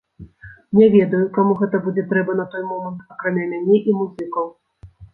Не ведаю, каму гэта будзе трэба на той момант, акрамя мяне і музыкаў.